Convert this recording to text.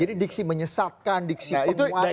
jadi diksi menyesatkan diksi penguasa